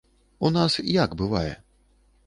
У нас як бывае?